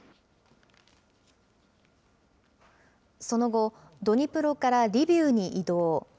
その後、ドニプロからリビウに移動。